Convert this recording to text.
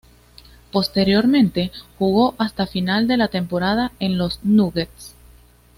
Posteriormente jugó hasta final de la temporada en los Nuggets.